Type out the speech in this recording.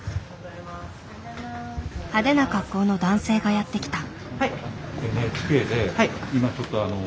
派手な格好の男性がやって来た。